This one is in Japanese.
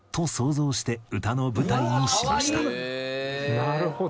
なるほど。